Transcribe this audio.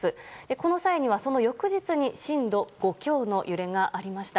この際には、その翌日に震度５強の揺れがありました。